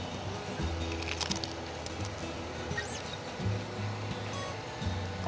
ini salah satu kuisin indonesia